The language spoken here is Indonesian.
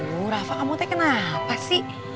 aduh rafa kamu teh kenapa sih